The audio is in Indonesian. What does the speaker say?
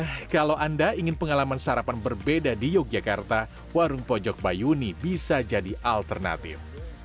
nah kalau anda ingin pengalaman sarapan berbeda di yogyakarta warung pojok bayuni bisa jadi alternatif